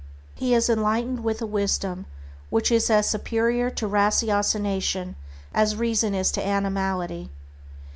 He is enlightened with a wisdom which is as superior to ratiocination, as reason is to animality.